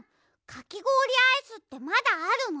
かきごおりアイスってまだあるの？